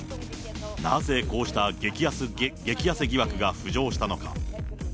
なぜ、こうした激痩せ疑惑が浮上したのか。